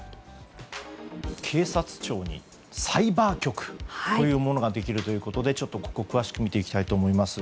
警察庁にサイバー局というものができるということでちょっとここを詳しく見ていきたいと思います。